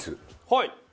はい。